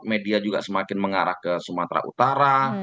media juga semakin mengarah ke sumatera utara